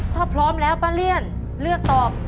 ถ้าพร้อมแล้วป้าเลี่ยนเลือกตอบ